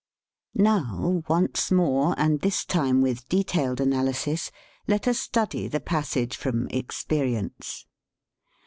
Now, once more, and this time with de tailed analysis, let us study the passage from "Experience."